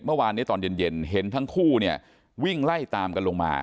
เมื่อวานนี้ตอนเย็นเห็นทั้งคู่เนี่ยวิ่งไล่ตามกันลงมา